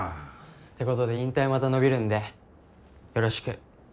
てことで引退また延びるんでよろしく。